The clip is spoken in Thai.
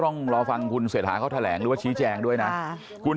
ต้องรอฟังคุณเศรษฐาเขาแถลงหรือว่าชี้แจงด้วยนะคุณ